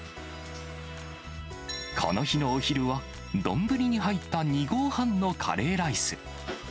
この日のお昼は、丼に入った２合半のカレーライス。